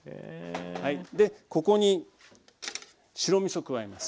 ここに白みそ加えます。